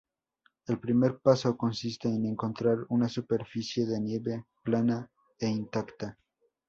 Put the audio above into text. El primer paso consiste en encontrar una superficie de nieve plana e intacta.